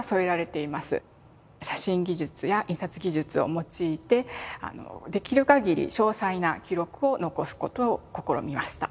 写真技術や印刷技術を用いてできるかぎり詳細な記録を残すことを試みました。